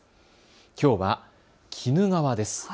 きょうは鬼怒川です。